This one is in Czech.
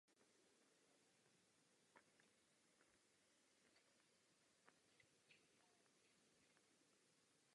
Druhý večer se dostaví ještě více diváků.